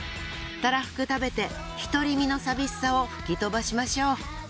たらふく食べて独り身の寂しさを吹き飛ばしましょう。